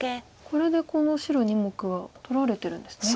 これでこの白２目は取られてるんですね。